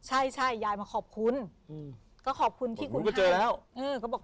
ใช่ใช่ยายมาขอบคุณก็ขอบคุณที่คุณแม่แล้วก็บอก